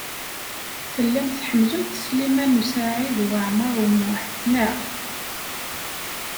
Tellamt tḥemmlemt Sliman U Saɛid Waɛmaṛ U Muḥ, naɣ?